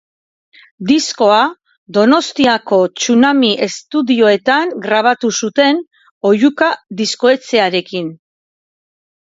Diskoa Donostiako Tsunami estudioetan grabatu zuten, Oihuka diskoetxearekin.